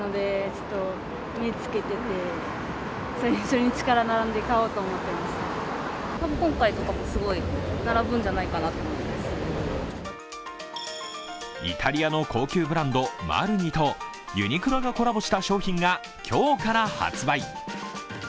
そのお目当てはイタリアの高級ブランド、マルニとユニクロがコラボした商品が今日から発売。